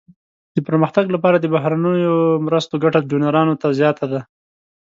د پرمختګ لپاره د بهرنیو مرستو ګټه ډونرانو ته زیاته ده.